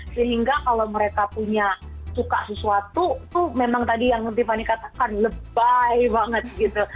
sehingga kalau mereka punya suka sesuatu tuh memang tadi yang tiffany katakan lebay banget gitu